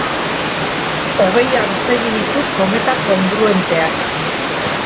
Hogei aurpegi ditu: kometa kongruenteak.